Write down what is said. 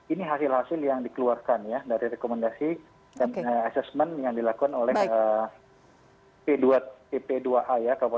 ini hasil hasil yang dikeluarkan ya dari rekomendasi dan asesmen yang dilakukan oleh p dua pp dua a ya